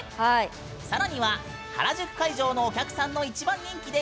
更には原宿会場のお客さんの一番人気で１票。